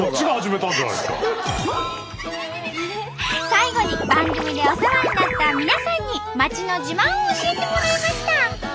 最後に番組でお世話になった皆さんに町の自慢を教えてもらいました。